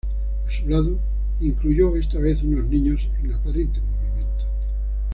A su lado incluyó esta vez unos niños en aparente movimiento.